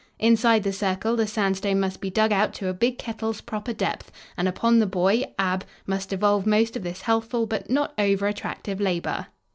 Inside the circle, the sandstone must be dug out to a big kettle's proper depth, and upon the boy, Ab, must devolve most of this healthful but not over attractive labor.